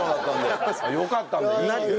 よかったんだ。